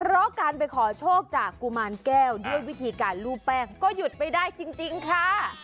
เพราะการไปขอโชคจากกุมารแก้วด้วยวิธีการลูบแป้งก็หยุดไม่ได้จริงค่ะ